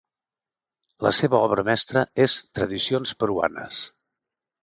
La seva obra mestra és "Tradicions peruanes".